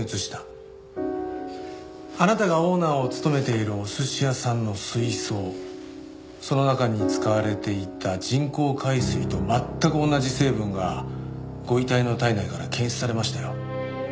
あなたがオーナーを務めているお寿司屋さんの水槽その中に使われていた人工海水と全く同じ成分がご遺体の体内から検出されましたよ。